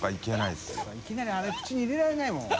い覆あれ口に入れられないもん。